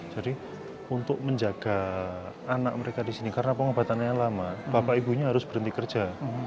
jadi untuk menjaga anak mereka di sini karena pengobatan yang lama bapak ibunya harus berhenti kerja